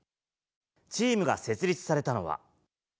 チームが設立されたのは。